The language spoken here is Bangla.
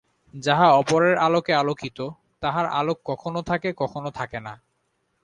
যাহা অপরের আলোকে আলোকিত, তাহার আলোক কখনও থাকে, কখনও থাকে না।